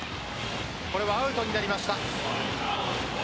これはアウトになりました。